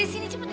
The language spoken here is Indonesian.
ya udah sempet